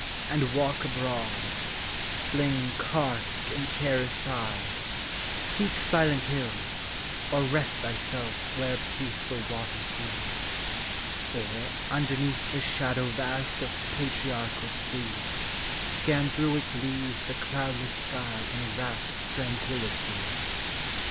and walk abroad; fling cark and care aside; Seek silent hills, or rest thyself where peaceful waters glide; Or, underneath the shadow vast of patriarchal tree, . Scan through its leaves the cloudless sky id rapt tranquillity.